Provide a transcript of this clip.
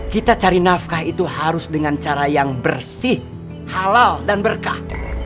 kita cari nafkah itu harus dengan cara yang bersih halal dan berkah